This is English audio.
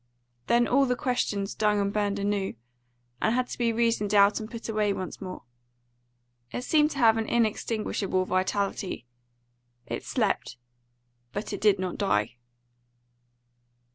Then all the question stung and burned anew, and had to be reasoned out and put away once more. It seemed to have an inextinguishable vitality. It slept, but it did not die.